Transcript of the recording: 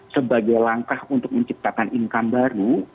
sebagai langkah untuk menciptakan income baru